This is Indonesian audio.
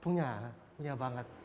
punya punya banget